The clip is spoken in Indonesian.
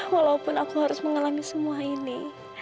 walaupun aku harus mengalami semua ini